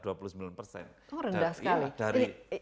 oh rendah sekali